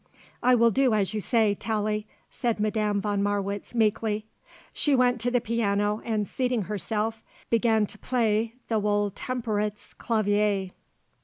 "I will do as you say, Tallie," said Madame von Marwitz meekly. She went to the piano, and seating herself began to play the Wohltemperirtes Clavier.